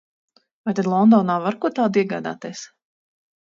Vai tad Londonā var ko tādu iegādāties?